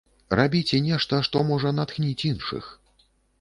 Рабіце нешта, што можа натхніць іншых.